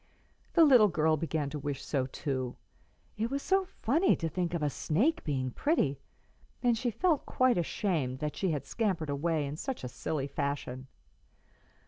The little girl began to wish so too, it was so funny to think of a snake being pretty, and she felt quite ashamed that she had scampered away in such a silly fashion.